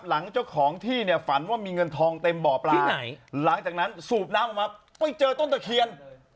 หลังเจ้าของที่เนี่ยฝันว่ามีเงินทองเต็มบ่อปลาที่ไหนหลังจากนั้นสูบน้ำออกมาไม่เจอต้นตะเคียน